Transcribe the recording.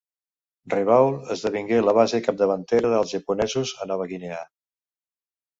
Rabaul esdevingué la base capdavantera dels japonesos a Nova Guinea.